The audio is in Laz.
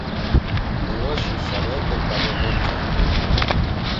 Nevaşi sarayepe ǩale notzert̆u.